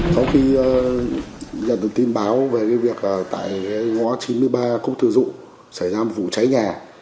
sau khi nhận được tin báo về việc tại ngõ chín mươi ba cúc thư dụ xảy ra một vụ cháy nhà